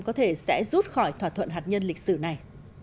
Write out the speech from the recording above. có thể sẽ rút khỏi thỏa thuận hạt nhân lịch sử này